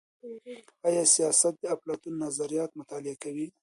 آیا سیاست د افلاطون نظریات مطالعه کوي؟